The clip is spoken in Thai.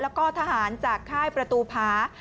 แล้วก็ทหารจากค่ายประตูพา